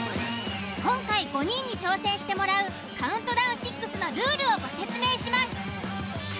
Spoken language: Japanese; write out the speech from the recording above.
今回５人に挑戦してもらうカウントダウン６のルールをご説明します。